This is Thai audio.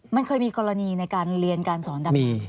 มันเคยมีกรณีในการเรียนการสอนดำ